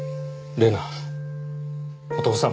玲奈お父さん